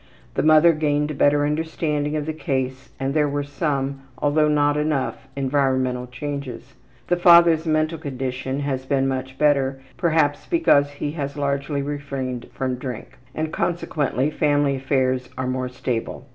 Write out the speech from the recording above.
The mother gained a better understanding of the case and there were some, although not enough, environmental changes. The father's mental condition has been much better, perhaps because he has largely refrained from drink, and consequently family affairs are more stable.